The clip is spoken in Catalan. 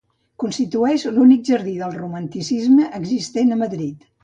Constitueix l'únic jardí del Romanticisme existent a Madrid.